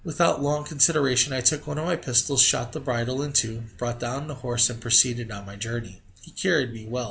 Without long consideration I took one of my pistols, shot the bridle in two, brought down the horse, and proceeded on my journey. He carried me well.